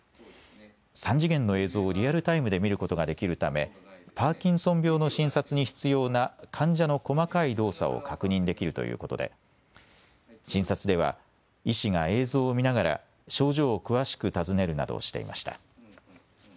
３次元の映像をリアルタイムで見ることができるためパーキンソン病の診察に必要な患者の細かい動作を確認できるということで診察では医師が映像を見ながら症状を詳しく尋ねるなどしていました。